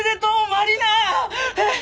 えっ？